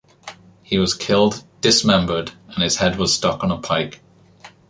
He was killed, dismembered and his head stuck on a pike.